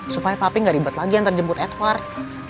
supaya papi gak ribet lagi ntar jemput edward